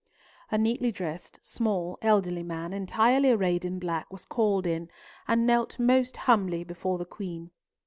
A neatly dressed, small, elderly man, entirely arrayed in black, was called in, and knelt most humbly before the Queen.